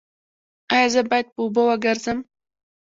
ایا زه باید په اوبو وګرځم؟